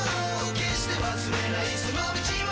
「決して忘れないその道を」